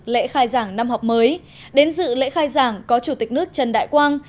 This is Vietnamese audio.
lễ khai giảng năm học mới đến dự lễ khai giảng có chủ tịch nước trần đại quang